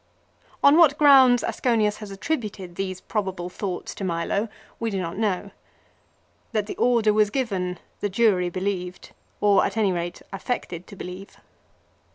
On what grounds Aseonius has attributed these probable thoughts to Milo we do not know. That the order was given the jury believed, or at any rate affected to believe.